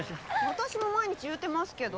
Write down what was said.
私も毎日言うてますけど？